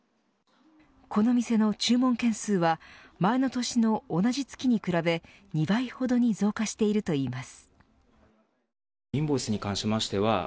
この店の注文件数は前の年の同じ月に比べ２倍ほどに増加しているといいます。